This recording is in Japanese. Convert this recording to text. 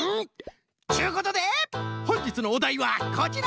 っちゅうことでほんじつのおだいはこちら！